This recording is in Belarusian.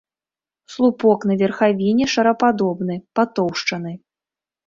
Слупок на верхавіне шарападобны патоўшчаны.